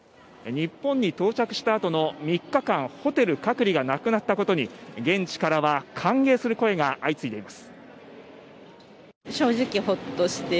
日本に到着したあとの３日間ホテル隔離がなくなったことに現地からは歓迎する声が相次いでいます。